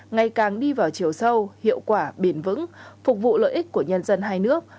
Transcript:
ngày càng đi vào chiều sâu hiệu quả bền vững phục vụ lợi ích của nhân dân hai nước